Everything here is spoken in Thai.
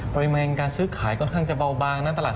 ปริมาณการซื้อขายค่อนข้างจะเบาบางนะตลาด